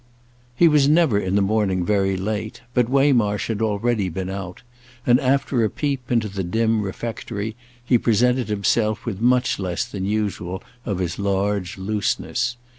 He was never in the morning very late, but Waymarsh had already been out, and, after a peep into the dim refectory, he presented himself with much less than usual of his large looseness.